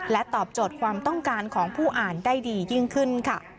ตอบโจทย์ความต้องการของผู้อ่านได้ดียิ่งขึ้นค่ะ